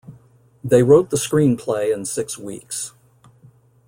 They wrote the screenplay in six weeks.